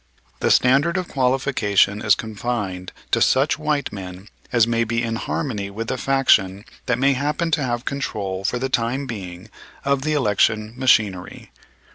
The standard of qualification is confined to such white men as may be in harmony with the faction that may happen to have control for the time being of the election machinery.